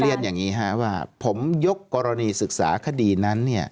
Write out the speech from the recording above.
เรียนอย่างนี้ว่าผมยกกรณีศึกษาคดีนั้น